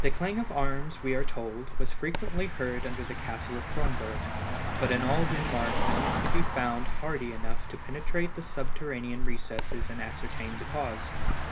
The clang of arms, we are told, was frequently heard under the castle of Cronberg, but in all Denmark no one could be found hardy enough to penetrate the subterranean recesses and ascertain the cause.